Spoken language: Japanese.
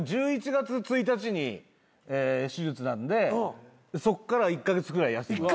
１１月１日に手術なんでそっから１カ月ぐらい。